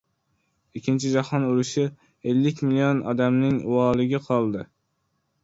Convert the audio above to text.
Ikkinchi jahon urushi ellik million odamning uvoliga qoldi.